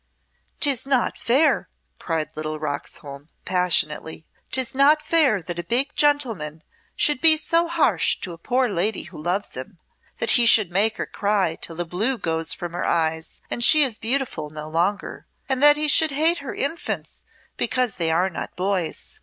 "'Tis not fair," cried little Roxholm, passionately, "'tis not fair that a big gentleman should be so harsh to a poor lady who loves him, that he should make her cry till the blue goes from her eyes and she is beautiful no longer, and that he should hate her infants because they are not boys.